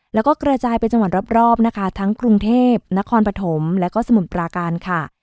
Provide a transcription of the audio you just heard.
แล้วก็กระจายไปจังหวัดรอบนะคะทั้งกรุงเทพนครปฐมและก็สมุทรปราการค่ะ